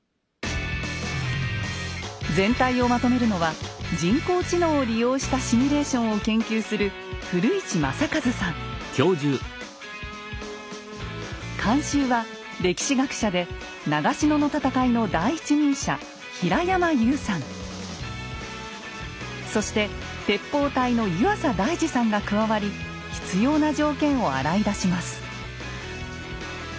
全体をまとめるのは人工知能を利用したシミュレーションを研究する監修は歴史学者で長篠の戦いの第一人者そして鉄砲隊の湯浅大司さんが加わり必要な条件を洗い出します。